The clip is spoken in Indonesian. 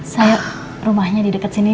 saya rumahnya di dekat sini